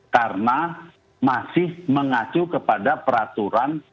karena masih mengacu kepada peraturan